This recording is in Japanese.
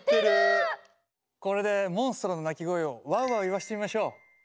これでモンストロの鳴き声をワウワウ言わせてみましょう！